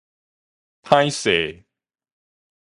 歹勢